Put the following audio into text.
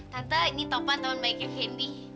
tante ini topan teman baiknya fendi